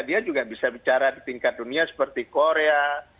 dia juga bisa bicara di tingkat dunia seperti korea